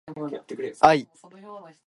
愛